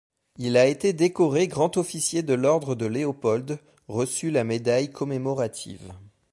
Il a été décoré grand officier de l’ordre de Léopold, reçu la médaille commémorative.